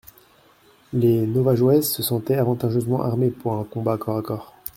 Les Navajoès se sentaient avantageusement armés pour un combat corps à corps.